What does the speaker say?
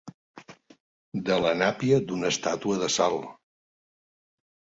De la nàpia d'una estàtua de sal.